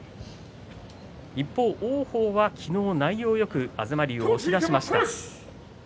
一方、王鵬は昨日、内容よく東龍を押し出しました。